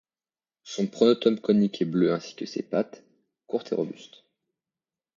Son pronotum conique est bleu ainsi que ses pattes, courtes et robustes.